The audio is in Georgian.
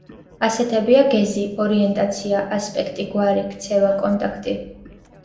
ასეთებია გეზი, ორიენტაცია, ასპექტი, გვარი, ქცევა, კონტაქტი.